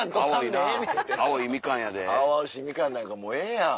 青々しいみかんなんかもうええやん。